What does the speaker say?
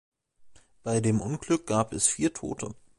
Bei dem Unglück gab es vier Tote.